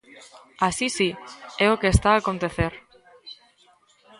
Así si, é o que está a acontecer.